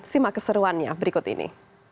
simak keseruannya berikut ini